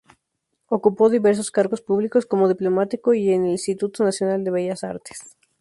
Ocupó diversos cargos públicos como diplomático y en el Instituto Nacional de Bellas Artes.